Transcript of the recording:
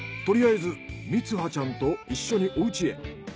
とりあえず光葉ちゃんと一緒におうちへ。